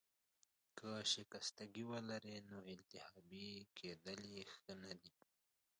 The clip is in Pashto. که شکستګي ولرې، نو التهابي کیدل يې ښه نه دي.